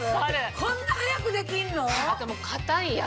こんな早くできんの？